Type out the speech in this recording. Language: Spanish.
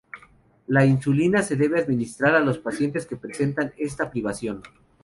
La insulina se debe administrar a los pacientes que presentan esta privación.